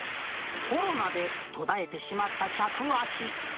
コロナで途絶えてしまった客足。